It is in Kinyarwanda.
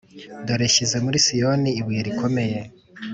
Dore nshyize muri Siyoni ibuye rikomeye,